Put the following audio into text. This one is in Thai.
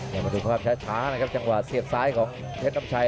เดี๋ยวมาดูภาพช้านะครับจังหวะเสียบซ้ายของเพชรน้ำชัย